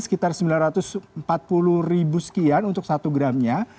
sekitar sembilan ratus empat puluh ribu sekian untuk satu gramnya